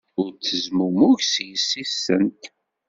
Ur ttezmumug ed yessi-tsent.